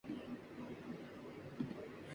تب کے music director کہتے تھے۔